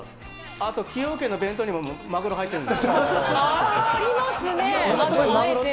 あと崎陽軒の弁当にもマグロ入ってるんですけど。